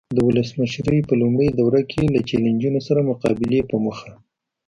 د ولسمشرۍ په لومړۍ دوره کې له چلنجونو سره مقابلې په موخه.